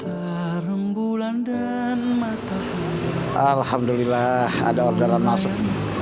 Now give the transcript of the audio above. alhamdulillah ada orderan masuk